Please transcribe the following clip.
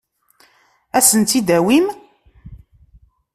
Ad asen-tt-id-tawim?